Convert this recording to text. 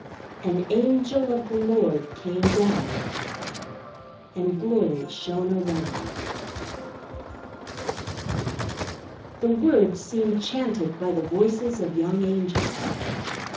"An Angel of the Lord came down, And glory shone around." The words seemed chanted by the voices of young angels.